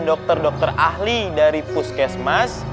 dokter dokter ahli dari puskesmas